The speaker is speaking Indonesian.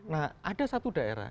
nah ada satu daerah